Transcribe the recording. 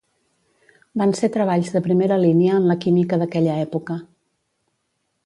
Van ser treballs de primera línia en la Química d'aquella època.